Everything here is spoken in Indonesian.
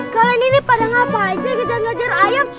kalian ini pada ngapa aja ngajar ngajar ayam